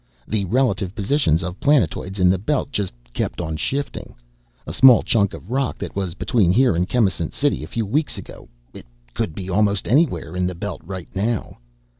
The relative positions of planetoids in the Belt just keep on shifting. A small chunk of rock that was between here and Chemisant City a few weeks ago it could be almost anywhere in the Belt right now.